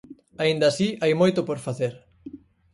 Aínda así hai moito por facer.